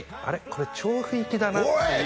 これ調布行きだなおい！